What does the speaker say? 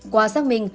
qua xác minh